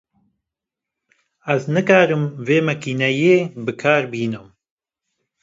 Ez nikarim vê makîneyê bi kar bînim.